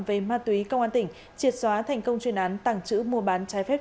về ma túy công an tỉnh triệt xóa thành công chuyên án tảng chữ mua bán trái phép